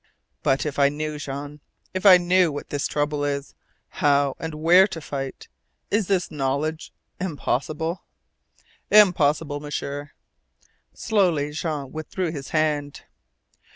But if I knew, Jean. If I knew what this trouble is how and where to fight! Is this knowledge impossible?" "Impossible, M'sieur!" Slowly Jean withdrew his hand.